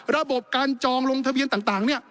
ระบบการจองลงทะเบียนต่างเนี่ย